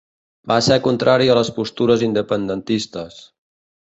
Va ser contrari a les postures independentistes.